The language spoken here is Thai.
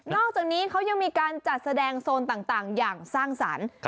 อกจากนี้เขายังมีการจัดแสดงโซนต่างอย่างสร้างสรรค์